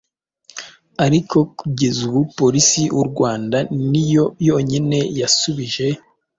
ariko kugeza ubu polisi u Rwanda ni yo yonyine yasubije,